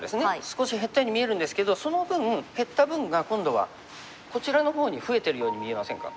少し減ったように見えるんですけどその分減った分が今度はこちらの方に増えてるように見えませんか？